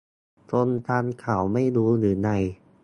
คนทำเค้าไม่รู้หรือไง